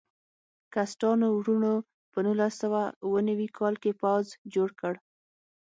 کسټانو وروڼو په نولس سوه اوه نوي کال کې یو پوځ جوړ کړ.